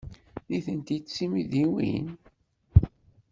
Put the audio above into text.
Nitenti d timidiwin?